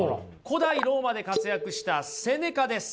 古代ローマで活躍したセネカです。